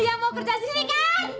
lo yang mau kerja sini kan